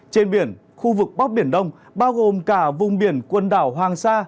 trên biển khu vực bắc biển đông bao gồm cả vùng biển quần đảo hoàng sa